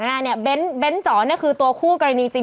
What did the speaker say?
นั่นแหละนี่เบ้นต์เจาะคือตัวคู่กันนี่จริง